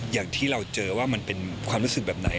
อย่างที่เราเจอว่ามันเป็นความรู้สึกแบบไหน